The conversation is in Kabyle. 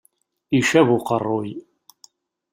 Icab uqerruy.